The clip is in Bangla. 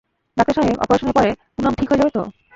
ডাক্তার সাহেব, অপারেশনের পরে, পুনাম ঠিক হয়ে যাবে তো?